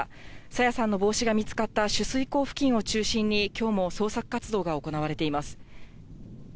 朝芽さんの帽子が見つかった取水口付近を中心に、きょうも捜索活動が行われています。